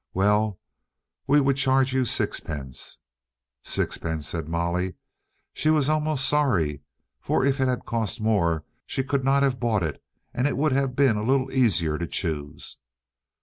"Well, we would charge you sixpence." "Sixpence!" said Molly. She was almost sorry, for if it had cost more she could not have bought it, and it would have been a little easier to choose.